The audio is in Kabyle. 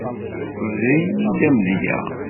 Bder-iyi-d amedya.